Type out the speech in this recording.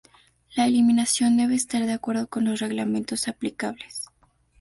La eliminación debe estar de acuerdo con los reglamentos aplicables.